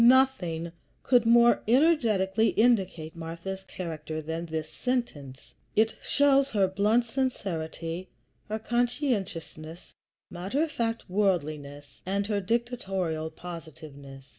Nothing could more energetically indicate Martha's character than this sentence. It shows her blunt sincerity, her conscientious, matter of fact worldliness, and her dictatorial positiveness.